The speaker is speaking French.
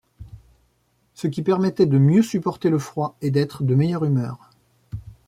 Ce qui permettait de mieux supporter le froid et d'être de meilleure humeur.